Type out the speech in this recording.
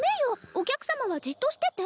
お客さまはじっとしてて。